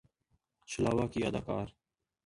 چھلاوہ کی اداکار